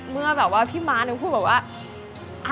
เมื่อพี่ม้ามีคำถามแบบว่า